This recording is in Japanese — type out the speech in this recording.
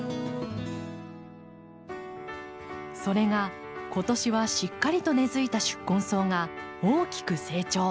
それが今年はしっかりと根づいた宿根草が大きく成長。